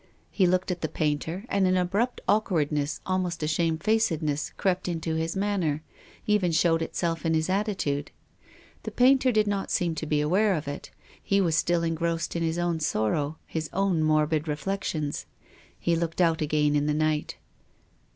He looked at the painter, and an abrupt awkwardness, almost a shamefaced ness, crept into his manner, even showed itself in his attitude. The painter did not seem to be aware of it. He was still engrossed in his own sorrow, his own morbid reflections. He looked out again in the night.